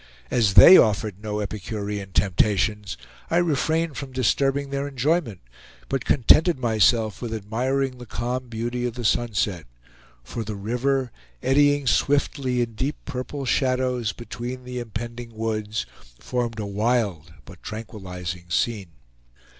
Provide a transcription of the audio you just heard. As they offered no epicurean temptations, I refrained from disturbing their enjoyment; but contented myself with admiring the calm beauty of the sunset, for the river, eddying swiftly in deep purple shadows between the impending woods, formed a wild but tranquillizing scene.